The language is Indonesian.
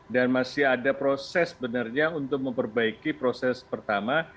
dan masih ada proses benarnya untuk memperbaiki proses pertama